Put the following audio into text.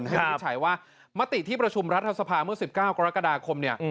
เราจะสิ่งที่ผู้ชัยว่ามฏิที่ประชุมรัฐสภาเมื่อ๑๙กก